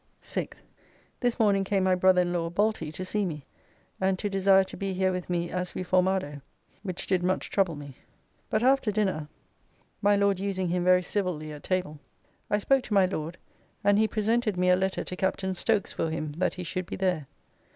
6th. This morning came my brother in law Balty to see me, and to desire to be here with me as Reformado, ["a broken or disbanded officer."] which did much trouble me. But after dinner (my Lord using him very civilly, at table) I spoke to my Lord, and he presented me a letter to Captain Stokes for him that he should be there.